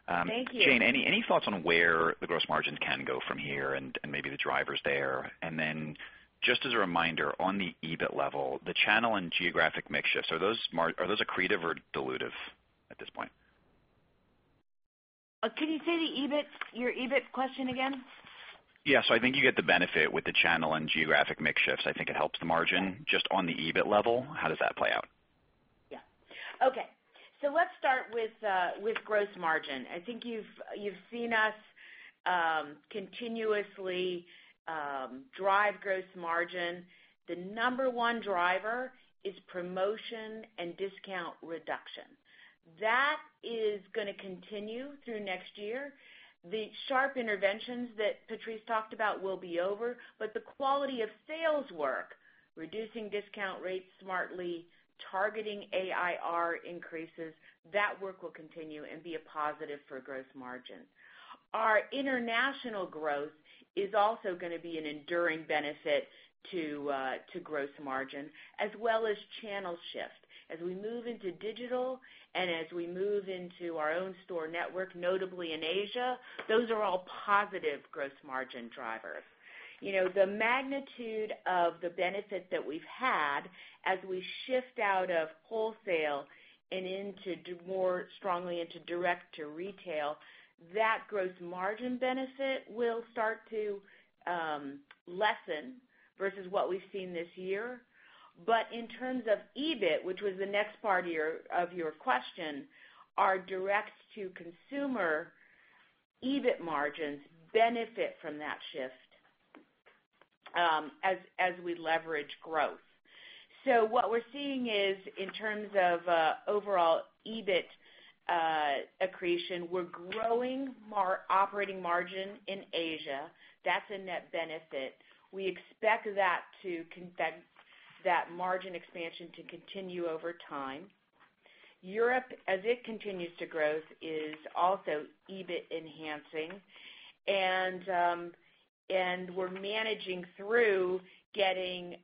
Thank you. Jane, any thoughts on where the gross margins can go from here and maybe the drivers there? Then just as a reminder, on the EBIT level, the channel and geographic mix shifts, are those accretive or dilutive at this point? Can you say your EBIT question again? Yeah. I think you get the benefit with the channel and geographic mix shifts. I think it helps the margin. Just on the EBIT level, how does that play out? Yeah. Okay. Let's start with gross margin. I think you've seen us continuously drive gross margin. The number one driver is promotion and discount reduction. That is gonna continue through next year. The sharp interventions that Patrice talked about will be over, but the quality of sales work, reducing discount rates smartly, targeting AUR increases, that work will continue and be a positive for gross margin. Our international growth is also gonna be an enduring benefit to gross margin, as well as channel shift. As we move into digital and as we move into our own store network, notably in Asia, those are all positive gross margin drivers. The magnitude of the benefit that we've had as we shift out of wholesale and more strongly into direct to retail, that gross margin benefit will start to lessen versus what we've seen this year. In terms of EBIT, which was the next part of your question, our direct-to-consumer EBIT margins benefit from that shift As we leverage growth. What we're seeing is, in terms of overall EBIT accretion, we're growing our operating margin in Asia. That's a net benefit. We expect that margin expansion to continue over time. Europe, as it continues to grow, is also EBIT enhancing. We're managing through getting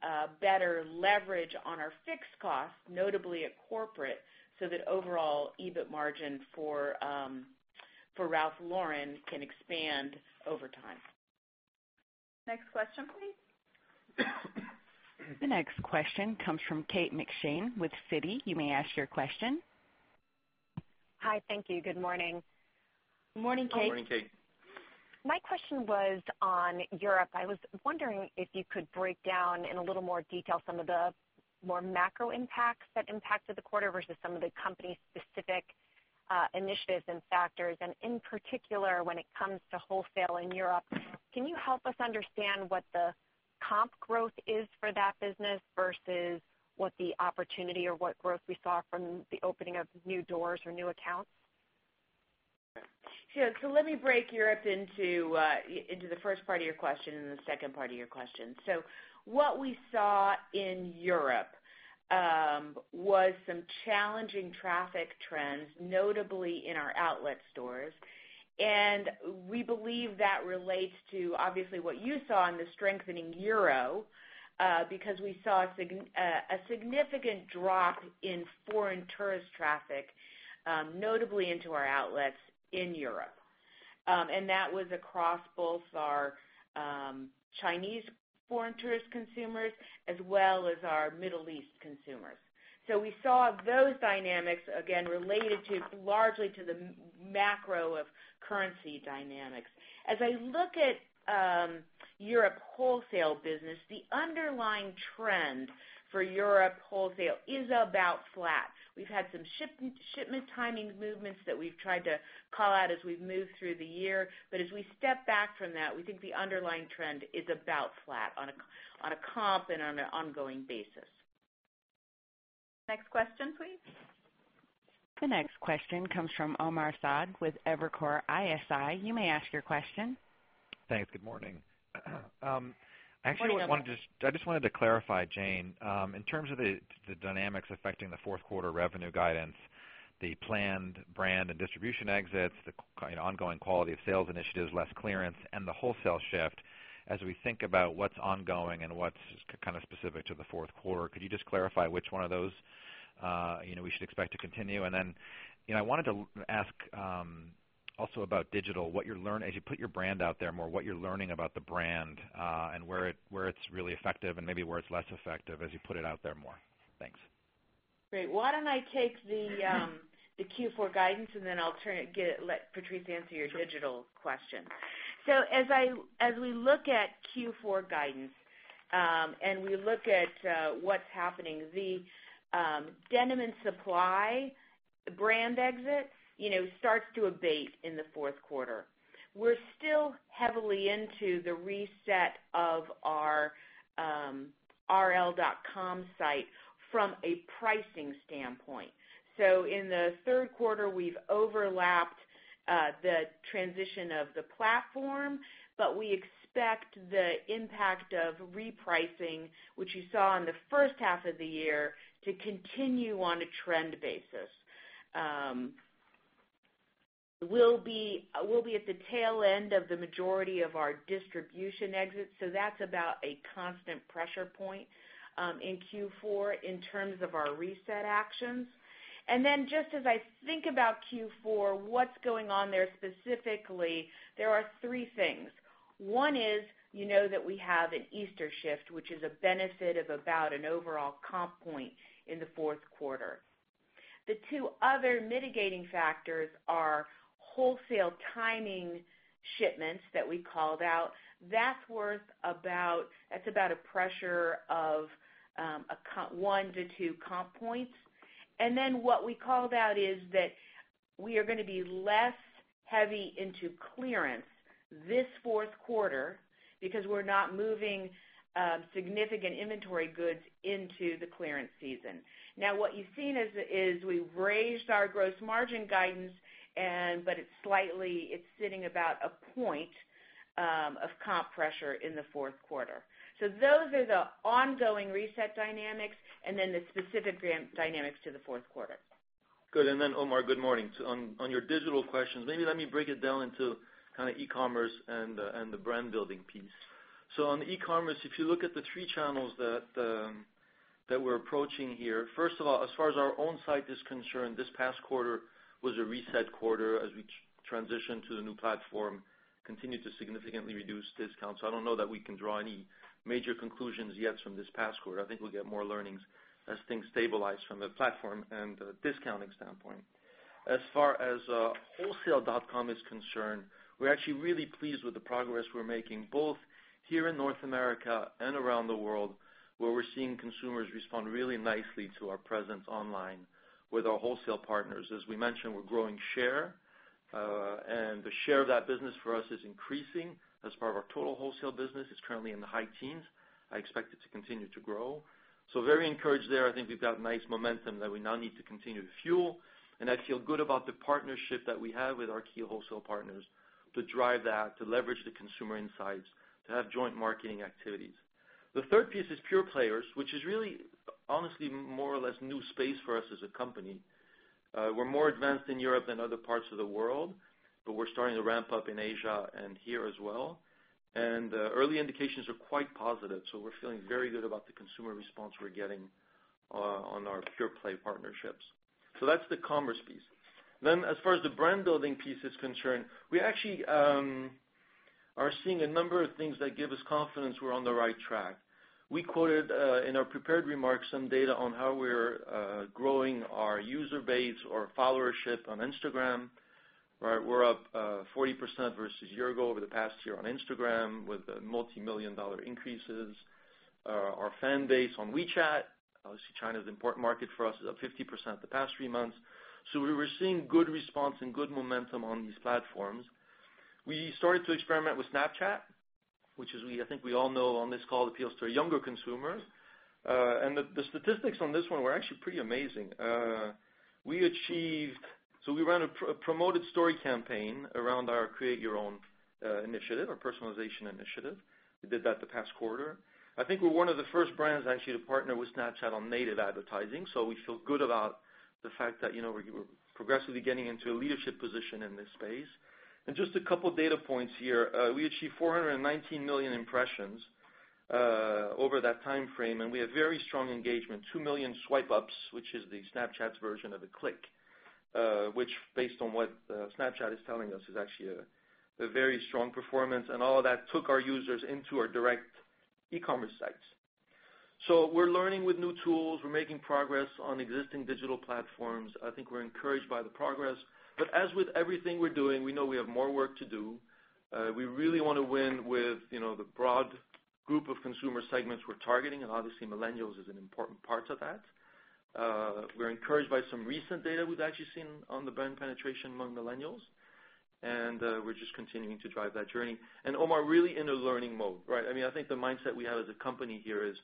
better leverage on our fixed costs, notably at corporate, so that overall EBIT margin for Ralph Lauren can expand over time. Next question, please. The next question comes from Kate McShane with Citi. You may ask your question. Hi. Thank you. Good morning. Morning, Kate. Morning, Kate. My question was on Europe. I was wondering if you could break down, in a little more detail, some of the more macro impacts that impacted the quarter versus some of the company's specific initiatives and factors. In particular, when it comes to wholesale in Europe, can you help us understand what the comp growth is for that business versus what the opportunity or what growth we saw from the opening of new doors or new accounts? Sure. Let me break Europe into the first part of your question and the second part of your question. What we saw in Europe was some challenging traffic trends, notably in our outlet stores. We believe that relates to, obviously, what you saw in the strengthening euro, because we saw a significant drop in foreign tourist traffic, notably into our outlets in Europe. That was across both our Chinese foreign tourist consumers as well as our Middle East consumers. We saw those dynamics, again, related largely to the macro of currency dynamics. As I look at Europe wholesale business, the underlying trend for Europe wholesale is about flat. We've had some shipment timing movements that we've tried to call out as we've moved through the year. As we step back from that, we think the underlying trend is about flat on a comp and on an ongoing basis. Next question, please. The next question comes from Omar Saad with Evercore ISI. You may ask your question. Thanks. Good morning. Actually. Morning, Omar. I just wanted to clarify, Jane Nielsen, in terms of the dynamics affecting the fourth quarter revenue guidance, the planned brand and distribution exits, the ongoing quality of sales initiatives, less clearance, and the wholesale shift. As we think about what's ongoing and what's specific to the fourth quarter, could you just clarify which one of those we should expect to continue? Then, I wanted to ask also about digital, as you put your brand out there more, what you're learning about the brand, and where it's really effective and maybe where it's less effective as you put it out there more. Thanks. Great. Why don't I take the Q4 guidance, then I'll let Patrice Louvet answer your digital question. As we look at Q4 guidance, and we look at what's happening, the Denim & Supply brand exit starts to abate in the fourth quarter. We're still heavily into the reset of our rl.com site from a pricing standpoint. So in the third quarter, we've overlapped the transition of the platform, but we expect the impact of repricing, which you saw in the first half of the year, to continue on a trend basis. We'll be at the tail end of the majority of our distribution exits, so that's about a constant pressure point in Q4 in terms of our reset actions. Then just as I think about Q4, what's going on there specifically, there are three things. One is, you know that we have an Easter shift, which is a benefit of about an overall comp point in the fourth quarter. The two other mitigating factors are wholesale timing shipments that we called out. That's about a pressure of 1-2 comp points. Then what we called out is that we are going to be less heavy into clearance this fourth quarter because we're not moving significant inventory goods into the clearance season. Now what you've seen is we've raised our gross margin guidance, but it's sitting about a point of comp pressure in the fourth quarter. So those are the ongoing reset dynamics, and then the specific brand dynamics to the fourth quarter. Good. Omar Saad, good morning. So on your digital questions, maybe let me break it down into e-commerce and the brand-building piece. On e-commerce, if you look at the three channels that we're approaching here, first of all, as far as our own site is concerned, this past quarter was a reset quarter as we transitioned to the new platform, continued to significantly reduce discounts. So I don't know that we can draw any major conclusions yet from this past quarter. I think we'll get more learnings as things stabilize from the platform and the discounting standpoint. As far as wholesale.com is concerned, we're actually really pleased with the progress we're making, both here in North America and around the world, where we're seeing consumers respond really nicely to our presence online with our wholesale partners. As we mentioned, we're growing share, and the share of that business for us is increasing as part of our total wholesale business. It's currently in the high teens. I expect it to continue to grow. Very encouraged there. I think we've got nice momentum that we now need to continue to fuel, and I feel good about the partnership that we have with our key wholesale partners to drive that, to leverage the consumer insights, to have joint marketing activities. The third piece is pure players, which is really, honestly, more or less new space for us as a company. We're more advanced in Europe than other parts of the world, but we're starting to ramp up in Asia and here as well. Early indications are quite positive, so we're feeling very good about the consumer response we're getting on our pure play partnerships. That's the commerce piece. As far as the brand-building piece is concerned, we actually are seeing a number of things that give us confidence we're on the right track. We quoted, in our prepared remarks, some data on how we're growing our user base or followership on Instagram. We're up 40% versus a year ago over the past year on Instagram with multimillion-dollar increases. Our fan base on WeChat, obviously, China's an important market for us, is up 50% the past three months. We were seeing good response and good momentum on these platforms. We started to experiment with Snapchat, which as I think we all know on this call, appeals to a younger consumer. The statistics on this one were actually pretty amazing. We ran a promoted story campaign around our Create Your Own initiative, our personalization initiative. We did that the past quarter. I think we're one of the first brands actually to partner with Snapchat on native advertising. We feel good about the fact that we're progressively getting into a leadership position in this space. Just a couple data points here. We achieved 419 million impressions over that timeframe, and we had very strong engagement. Two million swipe ups, which is the Snapchat's version of a click, which based on what Snapchat is telling us, is actually a very strong performance. All of that took our users into our direct e-commerce sites. We're learning with new tools. We're making progress on existing digital platforms. I think we're encouraged by the progress. As with everything we're doing, we know we have more work to do. We really want to win with the broad group of consumer segments we're targeting, and obviously millennials is an important part of that. We're encouraged by some recent data we've actually seen on the brand penetration among millennials, and we're just continuing to drive that journey. Omar, really in a learning mode, right? I think the mindset we have as a company here is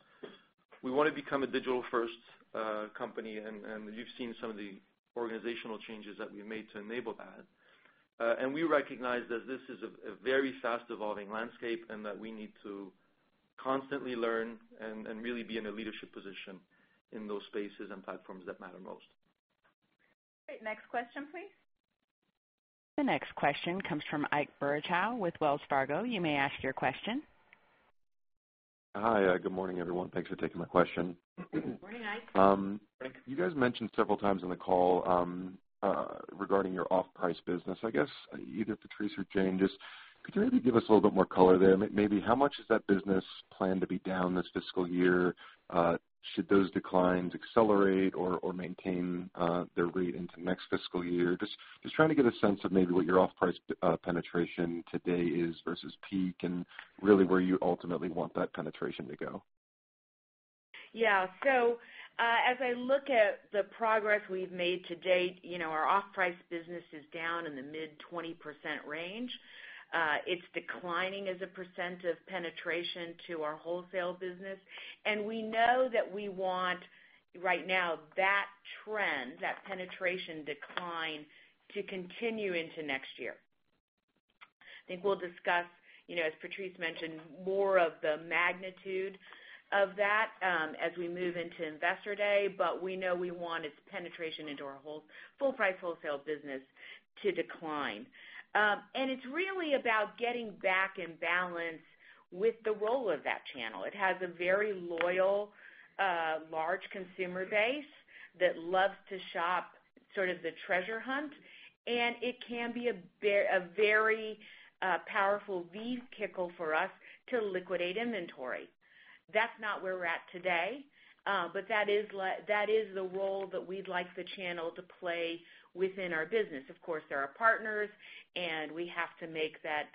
we want to become a digital-first company, and you've seen some of the organizational changes that we've made to enable that. We recognize that this is a very fast-evolving landscape and that we need to constantly learn and really be in a leadership position in those spaces and platforms that matter most. Great. Next question, please. The next question comes from Ike Boruchow with Wells Fargo. You may ask your question. Hi. Good morning, everyone. Thanks for taking my question. Good morning, Ike. Thanks. You guys mentioned several times on the call regarding your off-price business. I guess either Patrice or Jane, could you maybe give us a little bit more color there? Maybe how much is that business planned to be down this fiscal year? Should those declines accelerate or maintain their rate into next fiscal year? Just trying to get a sense of maybe what your off-price penetration today is versus peak, and really where you ultimately want that penetration to go. Yeah. As I look at the progress we've made to date, our off-price business is down in the mid 20% range. It's declining as a percent of penetration to our wholesale business. We know that we want, right now, that trend, that penetration decline to continue into next year. I think we'll discuss, as Patrice mentioned, more of the magnitude of that as we move into Investor Day. We know we want its penetration into our full-price wholesale business to decline. It's really about getting back in balance with the role of that channel. It has a very loyal large consumer base that loves to shop, sort of the treasure hunt. It can be a very powerful vehicle for us to liquidate inventory. That's not where we're at today. That is the role that we'd like the channel to play within our business. Of course, they're our partners. We have to make that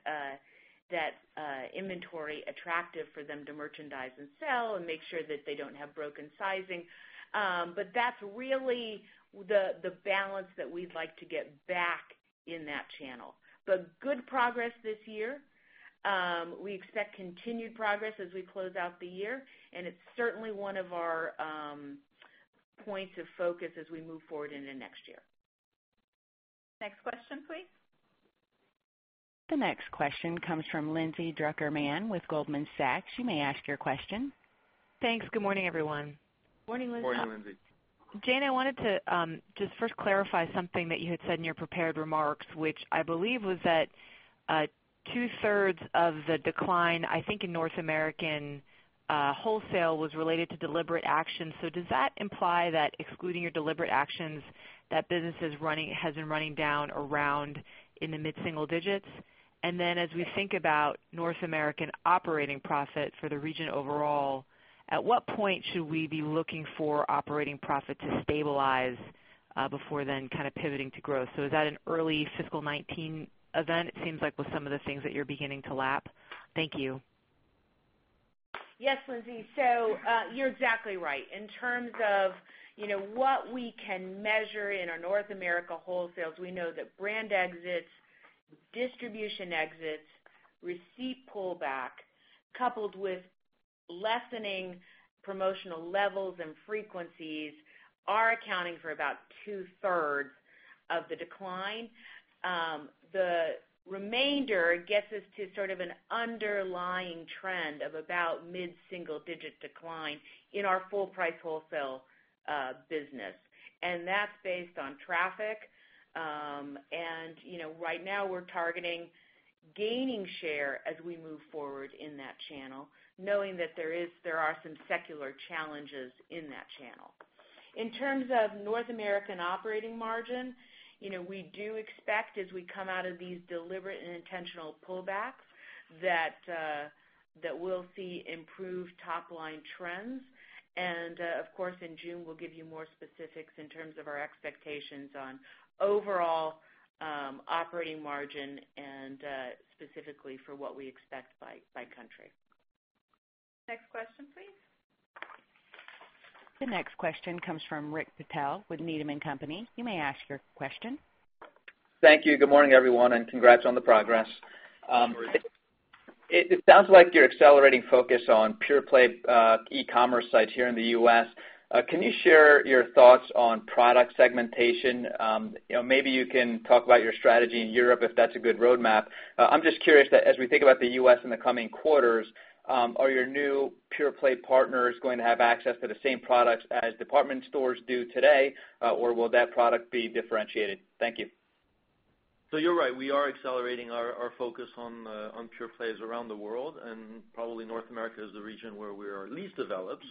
inventory attractive for them to merchandise and sell and make sure that they don't have broken sizing. That's really the balance that we'd like to get back in that channel. Good progress this year. We expect continued progress as we close out the year. It's certainly one of our points of focus as we move forward into next year. Next question, please. The next question comes from Lindsay Drucker Mann with Goldman Sachs. You may ask your question. Thanks. Good morning, everyone. Morning, Lindsay. Morning, Lindsay. Jane, I wanted to just first clarify something that you had said in your prepared remarks, which I believe was that two-thirds of the decline, I think in North American wholesale, was related to deliberate action. Does that imply that excluding your deliberate actions, that business has been running down around in the mid-single digits? As we think about North American operating profit for the region overall, at what point should we be looking for operating profit to stabilize before then kind of pivoting to growth? Is that an early fiscal 2019 event? It seems like with some of the things that you're beginning to lap. Thank you. Yes, Lindsay. You're exactly right. In terms of what we can measure in our North America wholesales, we know that brand exits, distribution exits, receipt pullback, coupled with lessening promotional levels and frequencies are accounting for about two-thirds of the decline. The remainder gets us to sort of an underlying trend of about mid-single-digit decline in our full price wholesale business. That's based on traffic. Right now, we're targeting gaining share as we move forward in that channel, knowing that there are some secular challenges in that channel. In terms of North American operating margin, we do expect as we come out of these deliberate and intentional pullbacks that we'll see improved top-line trends. Of course, in June, we'll give you more specifics in terms of our expectations on overall operating margin and specifically for what we expect by country. Next question, please. The next question comes from Rick Patel with Needham & Company. You may ask your question. Thank you. Good morning, everyone, and congrats on the progress. It sounds like you're accelerating focus on pure-play e-commerce sites here in the U.S. Can you share your thoughts on product segmentation? Maybe you can talk about your strategy in Europe if that's a good roadmap. I'm just curious that as we think about the U.S. in the coming quarters, are your new pure-play partners going to have access to the same products as department stores do today? Or will that product be differentiated? Thank you. You're right, we are accelerating our focus on pure plays around the world, probably North America is the region where we are least developed,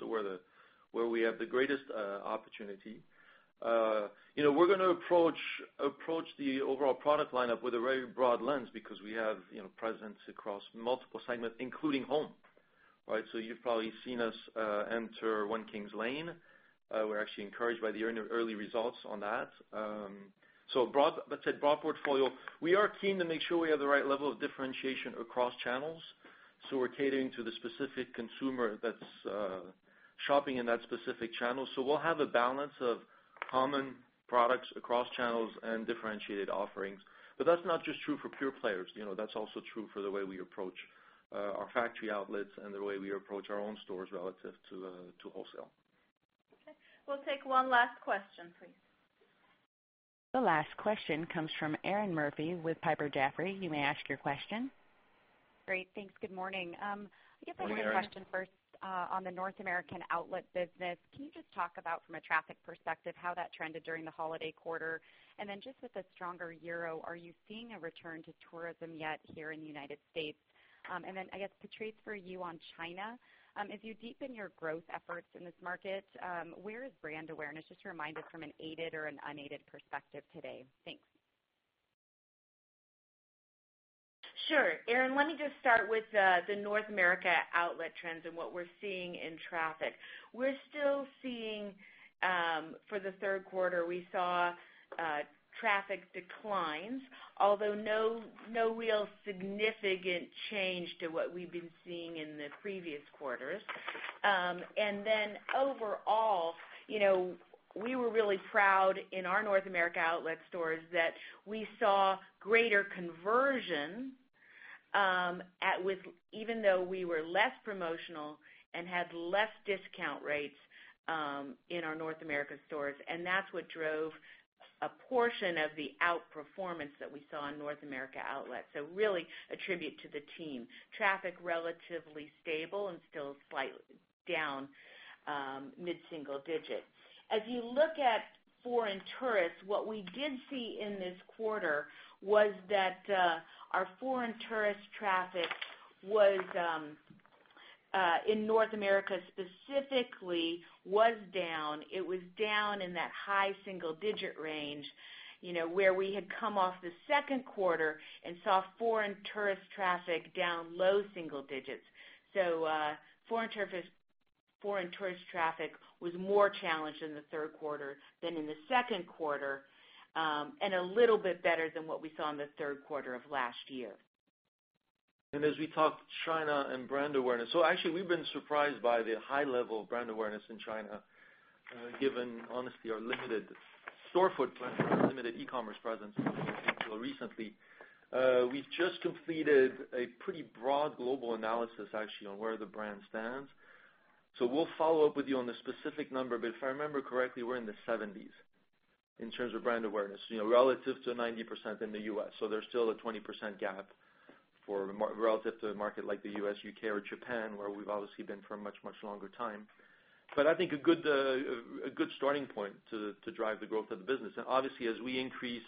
where we have the greatest opportunity. We're going to approach the overall product lineup with a very broad lens because we have presence across multiple segments, including home. You've probably seen us enter One Kings Lane. We're actually encouraged by the early results on that. That said, broad portfolio. We are keen to make sure we have the right level of differentiation across channels. We're catering to the specific consumer that's shopping in that specific channel. We'll have a balance of common products across channels and differentiated offerings. That's not just true for pure players. That's also true for the way we approach our factory outlets and the way we approach our own stores relative to wholesale. Okay. We'll take one last question, please. The last question comes from Erinn Murphy with Piper Jaffray. You may ask your question. Great. Thanks. Good morning. Good morning, Erinn. I guess I have a question first on the North American outlet business. Can you just talk about from a traffic perspective how that trended during the holiday quarter? Just with the stronger EUR, are you seeing a return to tourism yet here in the United States? I guess, Patrice, for you on China, as you deepen your growth efforts in this market, where is brand awareness? Just remind us from an aided or an unaided perspective today. Thanks. Sure. Erinn, let me just start with the North America outlet trends and what we're seeing in traffic. We're still seeing, for the third quarter, we saw traffic declines, although no real significant change to what we've been seeing in the previous quarters. Overall, we were really proud in our North America outlet stores that we saw greater conversion even though we were less promotional and had less discount rates in our North America stores, and that's what drove a portion of the outperformance that we saw in North America outlets. Really a tribute to the team. Traffic relatively stable and still slightly down mid-single digit. As you look at foreign tourists, what we did see in this quarter was that our foreign tourist traffic in North America specifically was down. It was down in that high single-digit range, where we had come off the second quarter and saw foreign tourist traffic down low single digits. Foreign tourist traffic was more challenged in the third quarter than in the second quarter, and a little bit better than what we saw in the third quarter of last year. As we talk China and brand awareness. Actually, we've been surprised by the high level of brand awareness in China, given honestly our limited store footprint, our limited e-commerce presence until recently. We've just completed a pretty broad global analysis actually on where the brand stands. We'll follow up with you on the specific number. If I remember correctly, we're in the 70s in terms of brand awareness, relative to 90% in the U.S. There's still a 20% gap relative to a market like the U.S., U.K., or Japan, where we've obviously been for a much, much longer time. I think a good starting point to drive the growth of the business. Obviously, as we increase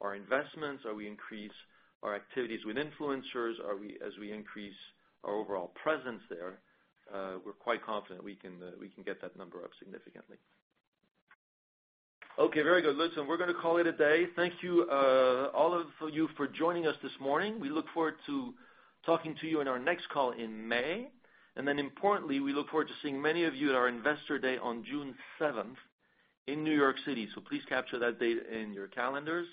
our investments, as we increase our activities with influencers, as we increase our overall presence there, we're quite confident we can get that number up significantly. Okay, very good. Listen, we're going to call it a day. Thank you all of you for joining us this morning. We look forward to talking to you in our next call in May. Importantly, we look forward to seeing many of you at our Investor Day on June 7th in New York City. Please capture that date in your calendars.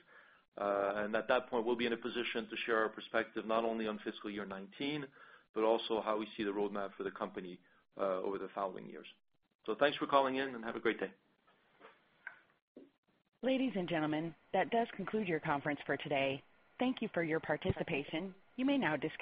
At that point, we'll be in a position to share our perspective, not only on fiscal year 2019, but also how we see the roadmap for the company over the following years. Thanks for calling in and have a great day. Ladies and gentlemen, that does conclude your conference for today. Thank you for your participation. You may now disconnect.